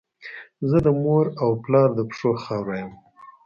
زه د مور او پلار د پښو خاوره یم.